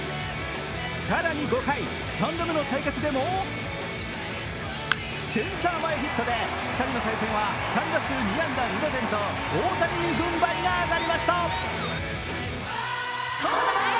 更に５回、３度目の対決でもセンター前ヒットで２人の対戦は３打数２安打２打点と大谷に軍配が上がりました。